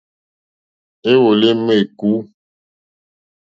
Éwòló émá ékú.